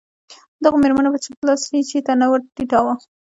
دغو مېرمنو به چپ لاس هېڅ شي ته نه ور ټیټاوه.